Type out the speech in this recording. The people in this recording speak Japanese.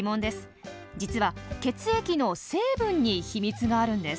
実は血液の成分に秘密があるんです。